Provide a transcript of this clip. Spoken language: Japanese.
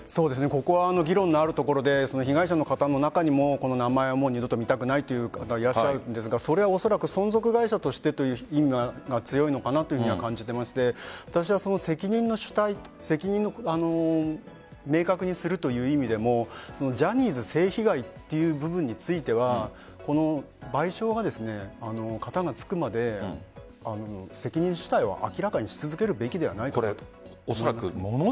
ここは議論のあるところで被害者の方の中にも名前を二度と見たくないという方がいらっしゃるんですがそれはおそらく存続会社としてという意味が強いのかなと思いましてその責任を明確にするという意味でもジャニーズ性被害という部分については賠償が、かたがつくまで責任自体は、明らかに続けるべきではないかなと。